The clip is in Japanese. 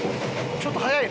ちょっと速い。